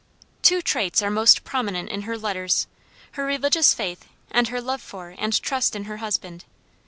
Two traits are most prominent in her letters: her religious faith, and her love for and trust in her husband.